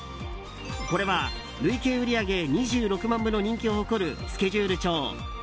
これは累計売り上げ２６万部の人気を誇るスケジュール帳ＣＩＴＴＡ